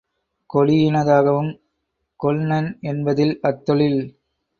கொடியினதாகவும் கொள்நன் என்பதில் அத் தொழில்